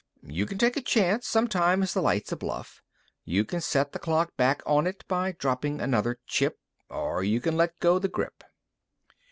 You can take a chance; sometimes the light's a bluff. You can set the clock back on it by dropping another chip or you can let go the grip."